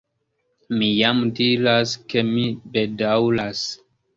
Mi jam diras ke mi bedaŭras.